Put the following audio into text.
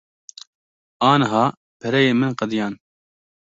Aniha pereyên min qediyan.